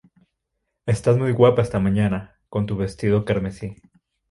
Estas muy guapa esta mañana con tu vestido carmesí